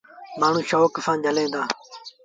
مآڻهوٚݩ شوڪ سآݩ جھليٚن دآ۔